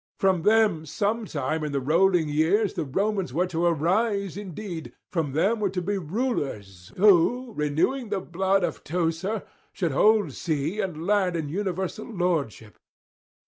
From them sometime in the rolling years the Romans were to arise indeed; from them were to be rulers who, renewing the blood of Teucer, should hold sea and land in universal lordship.